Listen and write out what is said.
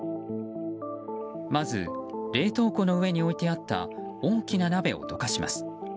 まず、冷凍庫の上に置いてあった大きな鍋をどかします。